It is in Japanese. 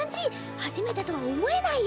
初めてとは思えないよ。